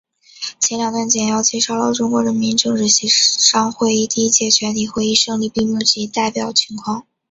前两段简要介绍了中国人民政治协商会议第一届全体会议胜利闭幕及代表情况。